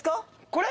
これ？